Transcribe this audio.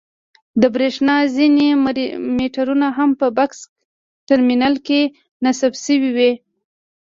د برېښنا ځینې مېټرونه هم په بکس ټرمینل کې نصب شوي وي.